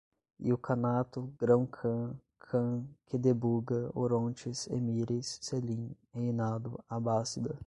ilcanato, grão-cã, khan, Quedebuga, Orontes, emires, Selim, reinado, abássida